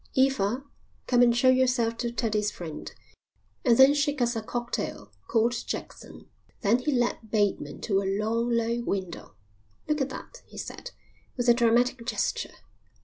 "Eva, come and show yourself to Teddie's friend, and then shake us a cocktail," called Jackson. Then he led Bateman to a long low window. "Look at that," he said, with a dramatic gesture.